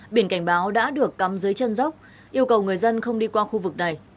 biển cảnh báo đã được cắm dưới chân dốc yêu cầu người dân không đi qua khu vực này